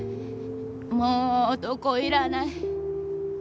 もう男いらない。